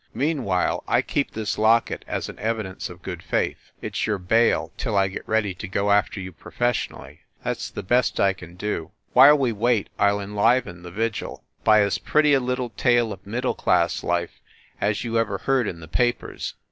Meanwhile, I keep this locket as an evi dence of good faith. It s your bail, till I get ready to go after you professionally. That s the best I can do. While we wait, I ll enliven the vigil by as pretty a little tale of middle class life as you ever heard in the papers."